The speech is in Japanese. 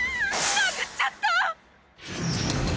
殴っちゃった！